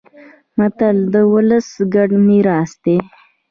متل د ولس ګډ میراث دی